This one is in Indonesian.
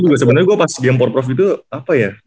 wah itu sebenernya pas game power prof itu apa ya